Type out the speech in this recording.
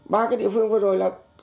ba cái địa phương vừa rồi là